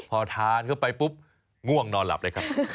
พอทานเข้าไปปุ๊บง่วงนอนหลับเลยครับ